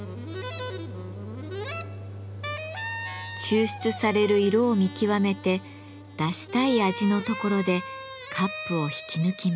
抽出される色を見極めて出したい味のところでカップを引き抜きます。